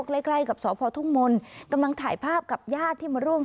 ใกล้ใกล้กับสพทุ่งมนต์กำลังถ่ายภาพกับญาติที่มาร่วม